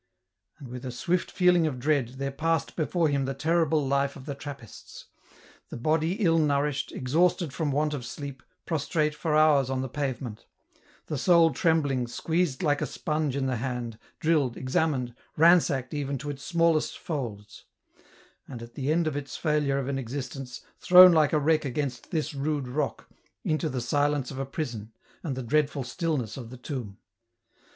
" And with a swift feeling of dread, there passed before him the terrible life of the Trappists ; the body ill nourished, exhausted from want of sleep, prostrate for hours on the pavement ; the soul trembling, squeezed like a sponge in the hand, drilled, examined, ransacked even to its smallest folds ; and at the end of its failure of an existence, thrown like a wreck against this rude rock, into the silence of a prison, and the dreadful stillness of the tomb